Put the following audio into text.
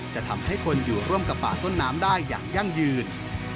จะทำให้คนอยู่ร่วมกับป่าต้นน้ำได้อย่างยั่งยืน